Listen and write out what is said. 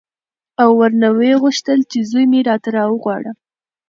او ورنه ویې غوښتل چې زوی مې راته راوغواړه.